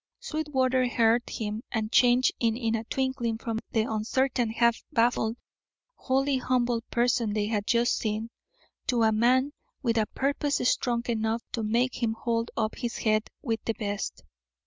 Sweetwater heard him and changed in a twinkling from the uncertain, half baffled, wholly humble person they had just seen, to a man with a purpose strong enough to make him hold up his head with the best.